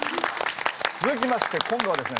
続きまして今度はですね